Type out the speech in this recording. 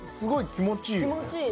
気持ちいいね。